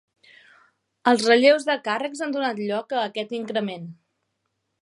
Els relleus de càrrecs han donat lloc a aquest increment.